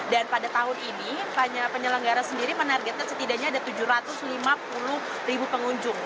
dan pada tahun ini penyelenggara sendiri menargetnya setidaknya ada tujuh ratus lima puluh pengunjung